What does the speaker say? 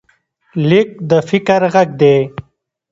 لیک د فکر غږ دی.